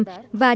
và nhân văn đó